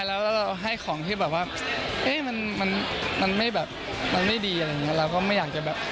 เชิญให้เขาแล้วเราก็ให้ของที่แบบ